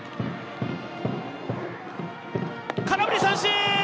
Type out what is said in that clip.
空振り三振！